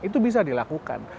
itu bisa dilakukan